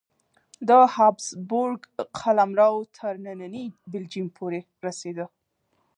د هابسبورګ قلمرو تر ننني بلجیم پورې رسېده.